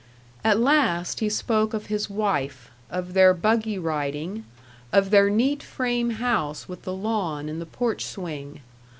... At last he spoke of his wife, of their buggy riding, of their neat frame house with the lawn and the porch swing.